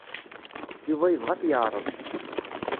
Yuba yebɣa ad t-yeɛreḍ.